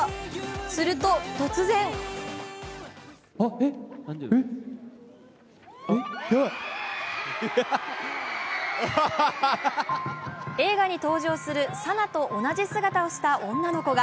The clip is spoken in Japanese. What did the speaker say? すると突然映画に登場するさなと同じ姿をした女の子が。